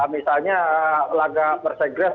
misalnya laga persegres